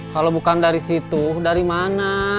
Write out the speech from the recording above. kalau bukan dari situ dari mana